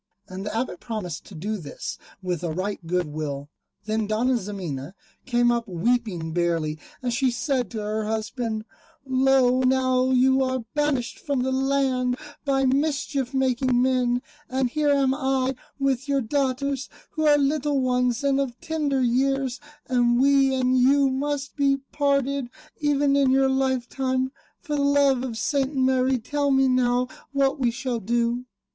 And the Abbot promised to do this with a right good will. Then Dona Ximena came up weeping bitterly, and she said to her husband, "Lo now you are banished from the land by mischief making men, and here am I with your daughters, who are little ones and of tender years, and we and you must be parted, even in your lifetime. For the love of St. Mary tell me now what we shall do."